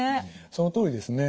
そのとおりですね。